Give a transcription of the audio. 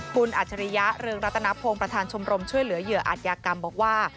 คุณอัจฉริยะเรืองรัตนพงศ์ประธานชมรมช่วยเหลือเหยื่ออาจยากรรมบอกว่า